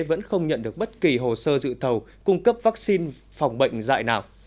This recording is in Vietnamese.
vẫn không nhận được bất kỳ hồ sơ dự thầu cung cấp vaccine phòng bệnh dạy nào